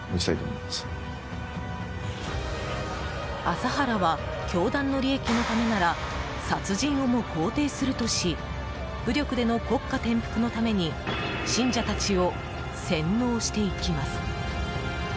麻原は、教団の利益のためなら殺人をも肯定するとし武力での国家転覆のために信者たちを洗脳していきます。